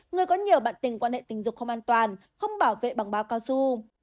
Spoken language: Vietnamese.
người có nhiều bạn tình quan hệ tình dục không an toàn không bảo vệ bằng báo cao su